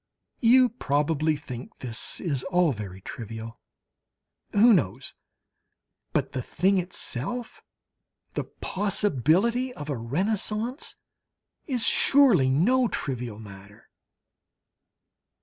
You probably think this is all very trivial? Who knows? But the thing itself, the possibility of a Renaissance, is surely no trivial matter!